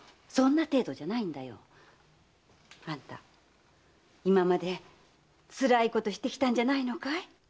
そんな程度じゃないんだよ。あんた今までつらいことしてきたんじゃないのかい？